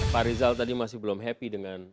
pak rizal tadi masih belum happy dengan